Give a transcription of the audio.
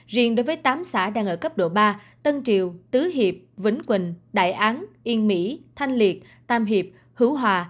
riêng đối với tám xã đang ở cấp độ ba tân triều tứ hiệp vĩnh quỳnh đại án yên mỹ thanh liệt tam hiệp hữu hòa